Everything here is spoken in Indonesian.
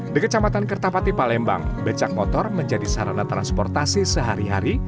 di kecamatan kertapati palembang becak motor menjadi sarana transportasi sehari hari